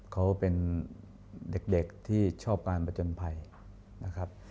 เขาเป็นเด็กที่ชอบการประจนภัยนะครับ